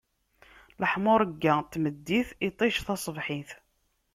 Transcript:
Leḥmuṛegga n tmeddit, iṭij taṣebḥit.